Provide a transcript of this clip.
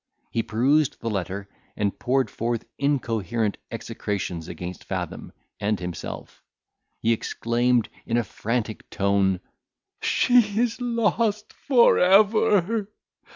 He perused the letter, and poured forth incoherent execrations against Fathom and himself. He exclaimed, in a frantic tone, "She is lost for ever!